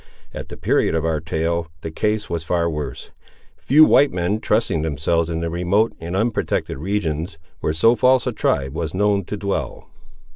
At the period of our tale, the case was far worse; few white men trusting themselves in the remote and unprotected regions where so false a tribe was known to dwell.